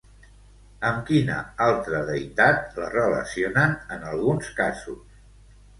Amb quina altra deïtat la relacionen en alguns casos?